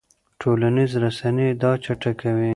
ټولنیزې رسنۍ دا چټکوي.